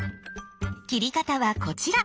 切り方はこちら。